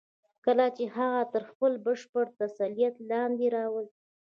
کله چې هغه تر خپل بشپړ تسلط لاندې راولئ.